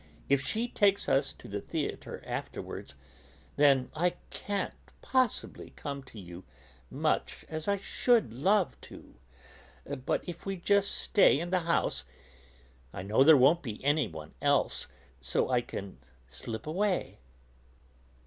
If she takes us to the theatre afterwards, then I can't possibly come to you, much as I should love to; but if we just stay in the house, I know there won't be anyone else there, so I can slip away."